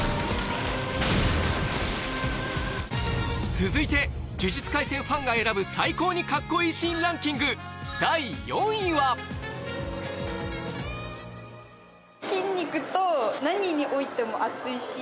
続いて「呪術廻戦」ファンが選ぶ最高にカッコいいシーンランキング第４位は？なんかブラザー！